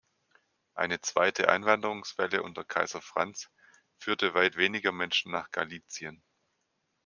Eine zweite Einwanderungswelle unter Kaiser Franz führte weit weniger Menschen nach Galizien.